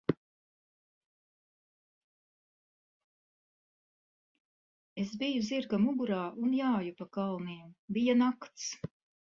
Es biju zirga mugurā un jāju pa kalniem. Bija nakts.